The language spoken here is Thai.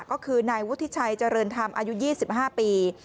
ก็คือนายวุฒิชัยเจริญธรรมอายุ๒๕ปี